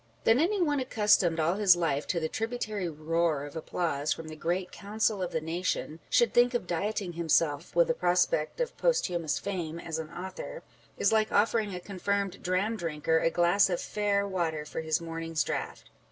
That any one accustomed all his life to the tributary roar of applause from the great council of the nation, should think of dieting himself with the prospect of posthumous fame as an author, is like offering a confirmed dram drinker a glass of fair water for his morning's draught.